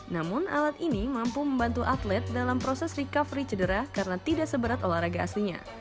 namun alat ini mampu membantu atlet dalam proses recovery cedera karena tidak seberat olahraga aslinya